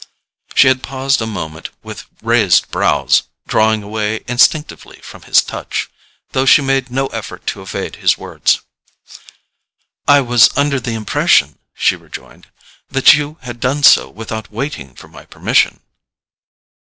She had paused a moment with raised brows, drawing away instinctively from his touch, though she made no effort to evade his words. "I was under the impression," she rejoined, "that you had done so without waiting for my permission."